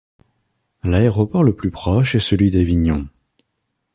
L'aéroport le plus proche est celui d'Avignon.